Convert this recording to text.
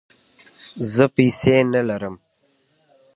زه پیسې نه لرم